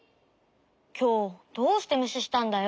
きょうどうしてむししたんだよ？